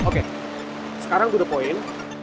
oke sekarang itu poin